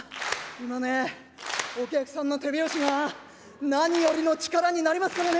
今ねお客さんの手拍子が何よりの力になりますからね。